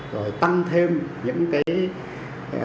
rồi tăng thêm những cái